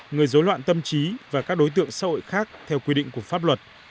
người dối loạn tâm trí và các đối tượng xã hội khác theo quy định của pháp luật